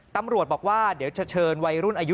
ตำรวจบอกว่าเดี๋ยวจะเชิญวัยรุ่นอายุ